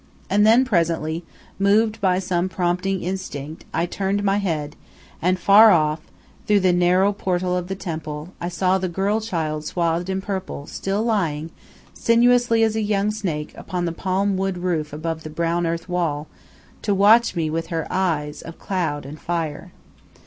And then presently, moved by some prompting instinct, I turned my head, and, far off, through the narrow portal of the temple, I saw the girl child swathed in purple still lying, sinuously as a young snake, upon the palm wood roof above the brown earth wall to watch me with her eyes of cloud and fire.